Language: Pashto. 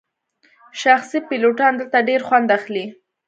شخصي پیلوټان دلته ډیر خوند اخلي